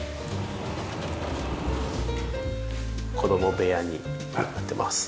子供部屋になってます。